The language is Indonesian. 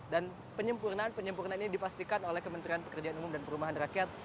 dan penyempurnaan penyempurnaan ini dipastikan oleh kementerian pekerjaan umum dan perumahan rakyat